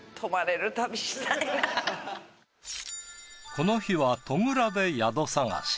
この日は戸倉で宿探し。